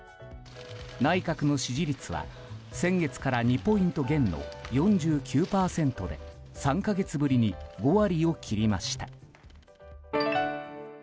内閣の支持率は先月から２ポイント減の４９％で３か月ぶりに５割を切りました。